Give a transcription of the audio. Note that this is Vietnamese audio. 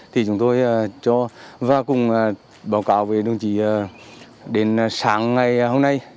thì chúng tôi cho và cùng báo cáo với đồng chí đến sáng ngày hôm nay